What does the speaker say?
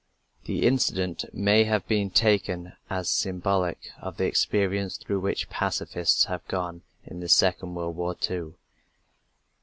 The incident may be taken as symbolic of the experience through which pacifists have gone in this Second World War, too.